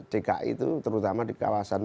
dki itu terutama di kawasan